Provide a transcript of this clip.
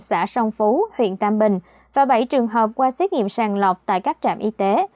xã song phú huyện tam bình và bảy trường hợp qua xét nghiệm sàng lọc tại các trạm y tế